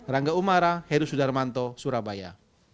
rangga umara heru sudarmanto surabaya